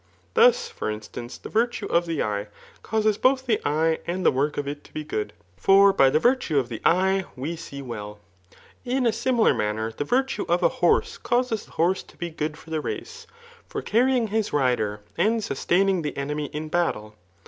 Thus, for instance, the ^^rtue of the eye, causes both the eye dnd the work of k iB^ be good ; for by the virtue of the eye we see well. la i^milar manner the virtue of a horse causes the horse to ti^ good for the race, for carrying his rider, and sustai& lotg'the enemy in battle.